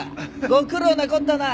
ご苦労なこったな。